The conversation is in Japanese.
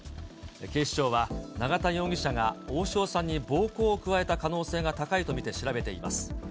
警視庁は永田容疑者が大塩さんに暴行を加えた可能性が高いと見て調べています。